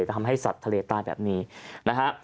ทำให้สัตว์ทะเลใต้แบบนี้นะฮะ